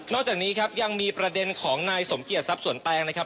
นอกจากนี้ครับยังมีประเด็นของนายสมเกียรติสับส่วนแปลงนะครับ